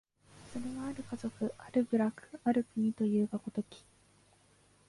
それは或る家族、或る部落、或る国というが如き、